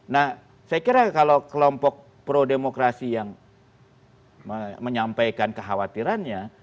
nah saya kira kalau kelompok pro demokrasi yang menyampaikan kekhawatirannya